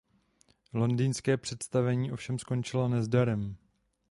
Londýnské představení ovšem skončilo nezdarem.